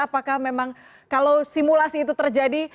apakah memang kalau simulasi itu terjadi